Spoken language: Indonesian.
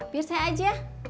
biar saya aja